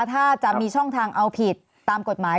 ถ้าจะมีช่องทางเอาผิดตามกฎหมาย